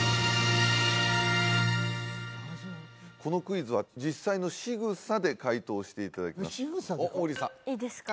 このクイズは実際のしぐさで解答していただきますおっ王林さんいいですか？